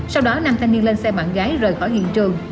sau đó nam thanh niên lên xe bạn gái rời khỏi hiện trường